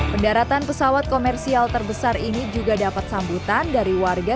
pendaratan pesawat komersial terbesar ini juga dapat sambutan dari warga